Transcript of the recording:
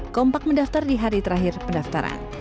kompak mendaftar di hari terakhir pendaftaran